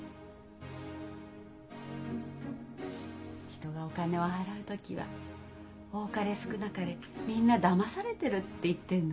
人がお金を払う時は多かれ少なかれみんなだまされてるって言ってんのよ。